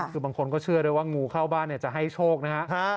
คือบางคนก็เชื่อด้วยว่างูเข้าบ้านจะให้โชคนะฮะ